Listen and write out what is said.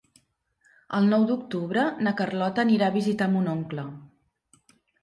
El nou d'octubre na Carlota anirà a visitar mon oncle.